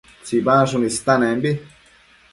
tsibansshun istanembi